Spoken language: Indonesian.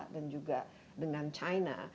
dan juga dengan china